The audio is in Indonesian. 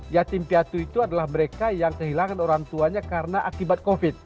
yatim piatu itu adalah mereka yang kehilangan orang tuanya karena akibat covid